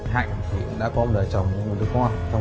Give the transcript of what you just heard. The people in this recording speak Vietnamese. hạnh đã có một đời chồng